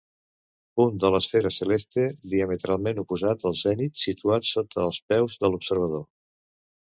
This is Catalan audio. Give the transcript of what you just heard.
Punt de l'esfera celeste diametralment oposat al zenit, situat sota els peus de l'observador.